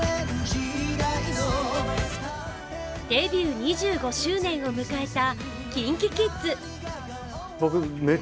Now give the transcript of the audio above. デビュー２５周年を迎えたＫｉｎＫｉＫｉｄｓ。